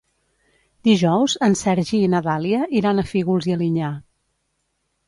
Dijous en Sergi i na Dàlia iran a Fígols i Alinyà.